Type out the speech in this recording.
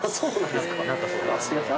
すいません。